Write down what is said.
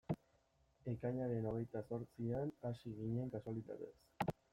Ekainaren hogeita zortzian hasi ginen, kasualitatez.